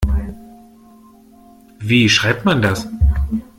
Wie schreibt man das?